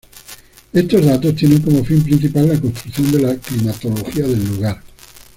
Estos datos tienen como fin principal la construcción de la climatología del lugar.